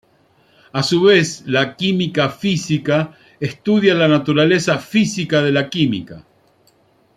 A su vez, la Química física estudia la naturaleza física de la química.